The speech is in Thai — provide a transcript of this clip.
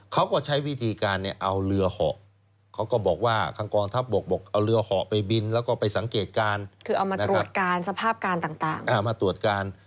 เขาก็ใช้วิธีการเอาเรือเหาะทางกองทัพบกบอกเอาเรือเหาะไปบินแล้วก็ไปสังเกตการ